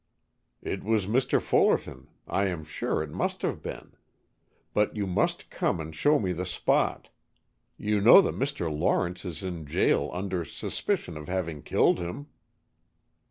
"It was Mr. Fullerton, I am sure it must have been. But you must come and show me the spot. You know that Mr. Lawrence is in jail under suspicion of having killed him."